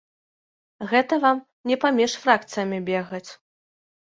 Гэта вам не паміж фракцыямі бегаць.